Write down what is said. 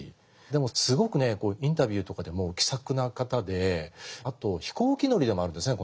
でもすごくねインタビューとかでも気さくな方であと飛行機乗りでもあるんですね